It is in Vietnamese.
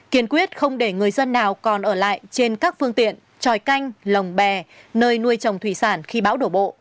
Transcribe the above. kiên quyết không để người dân nào còn ở lại trên các phương tiện tròi canh lồng bè nơi nuôi trồng thủy sản khi bão đổ bộ